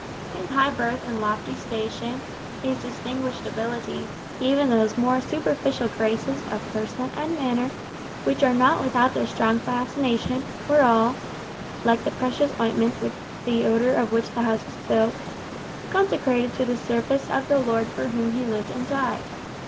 His high birth and lofty station, his distinguished abilities, even those more superficial graces of person and manner which are not without their strong fascination, were all like the precious ointment with the odour of which the house was filled consecrated to the service of the Lord for whom he lived and died.